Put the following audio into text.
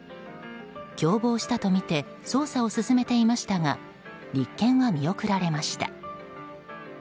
共謀したとみて捜査を進めていましたが立件は見送られました。